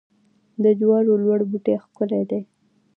د جوارو لوړ بوټي ښکلي دي.